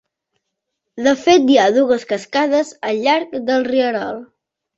De fet hi ha dues cascades al llarg del rierol.